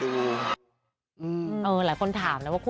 โดมเนี้ยบอกเลยว่าโอ้โห